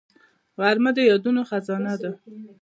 غرمه د یادونو خزانه ده